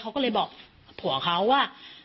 เขาก็เลยบอกผัวเขาว่า